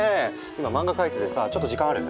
今漫画描いててさちょっと時間ある？